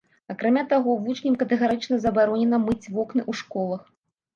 Акрамя таго, вучням катэгарычна забаронена мыць вокны ў школах.